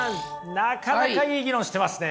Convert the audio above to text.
なかなかいい議論してますね。